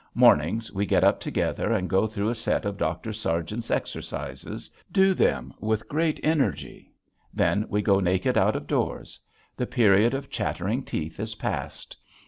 Mornings we get up together and go through a set of Dr. Sargent's exercises, do them with great energy. Then we go naked out of doors. The period of chattering teeth is past.